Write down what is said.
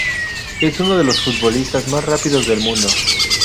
Es uno de los futbolistas más rápidos del mundo.